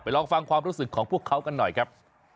ลองฟังความรู้สึกของพวกเขากันหน่อยครับ